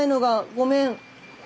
ごめん。